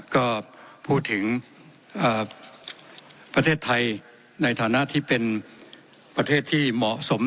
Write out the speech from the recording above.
ก็พูดถึงประเทศไทยในฐานะที่เป็นประเทศที่เหมาะสม